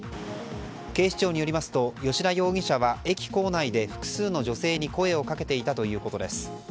警視庁によりますと吉田容疑者は駅構内で複数の女性に声をかけていたということです。